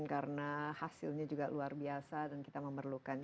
karena hasilnya juga luar biasa dan kita memerlukan